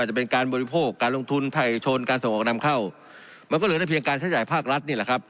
โชนการส่งออกนำเข้ามันก็เหลือแต่เพียงการใช้จ่ายภาครัฐนี่แหละครับ